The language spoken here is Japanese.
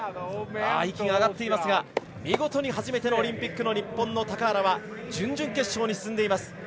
息が上がっていますが見事に初めてのオリンピックの日本の高原は準々決勝に進んでいます。